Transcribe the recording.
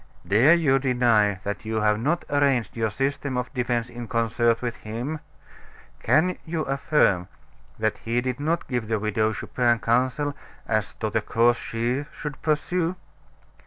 Dare you deny that you have not arranged your system of defense in concert with him? Can you affirm that he did not give the Widow Chupin counsel as to the course she should pursue?"